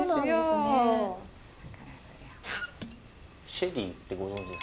シェリーってご存じですか？